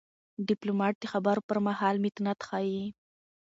ډيپلومات د خبرو پر مهال متانت ښيي.